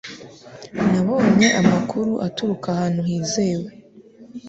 Nabonye amakuru aturuka ahantu hizewe.